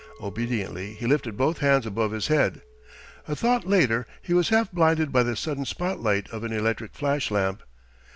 Obediently he lifted both hands above his head. A thought later, he was half blinded by the sudden spot light of an electric flash lamp.